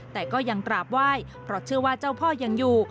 แต่ก็ยังกราบไหว้เพราะเชื่อว่าเจ้าพ่อยังอยู่